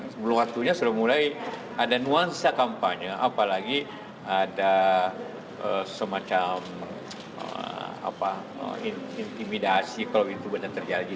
sebelum waktunya sudah mulai ada nuansa kampanye apalagi ada semacam intimidasi kalau itu benar terjadi